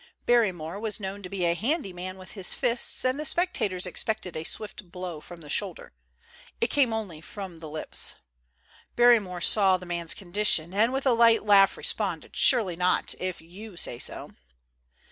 Barrymore was known to be a handy man with his fists, and the spectators expected a swift blow from the shoulder. It came only from the lips. Barrymore saw the man's con dition, and with a light laugh responded, " Surely not if you say so